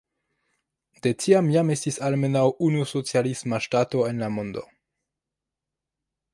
De tiam jam estis almenaŭ unu socialisma ŝtato en la mondo.